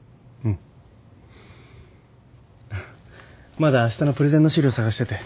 まだあしたのプレゼンの資料探してて。